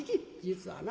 実はな